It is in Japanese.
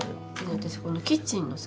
私このキッチンのさ